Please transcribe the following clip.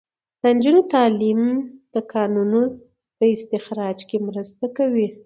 د نجونو تعلیم د کانونو په استخراج کې مرسته کوي.